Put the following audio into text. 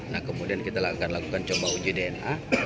nah kemudian kita akan lakukan coba uji dna